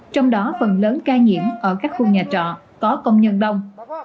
trong đó phần lớn ca nhiễm ở các khu nhà trọ có công nhân đông